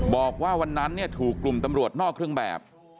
บอกว่าวันนั้นถูกกลุ่มตำรวจนอกเครื่องแบบ